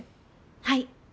はい。